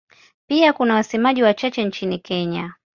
Pia kuna wasemaji wachache nchini Kenya.